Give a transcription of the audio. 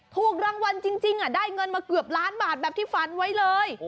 ถูกรางวัลจริงได้เงินมาเกือบล้านบาทแบบที่ฝันไว้เลย